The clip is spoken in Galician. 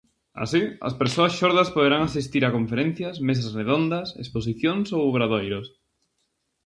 Así, as persoas xordas poderán asistir a conferencias, mesas redondas, exposicións ou obradoiros.